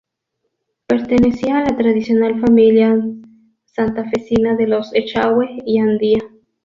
Pertenecía a la tradicional familia santafesina de los Echagüe y Andía.